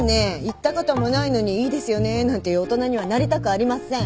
行ったこともないのに「いいですよね」なんて言う大人にはなりたくありません。